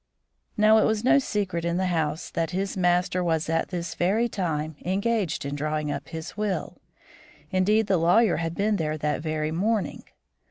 Now, it was no secret in the house that his master was at this very time engaged in drawing up his will. Indeed, the lawyer had been there that very morning.